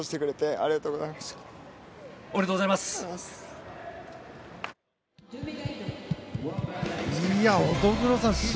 おめでとうございます。